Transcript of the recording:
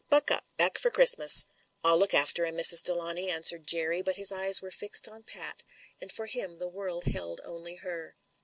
Buck up ! Back for Christmas !" ril look after him, Mrs. Delawnay," answered Jerry, but his eyes were fixed on Pat, and for him the world held only her.